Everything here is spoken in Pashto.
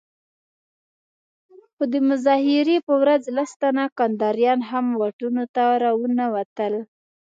خو د مظاهرې په ورځ لس تنه کنداريان هم واټونو ته راونه وتل.